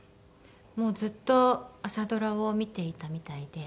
もうずっと朝ドラを見ていたみたいで。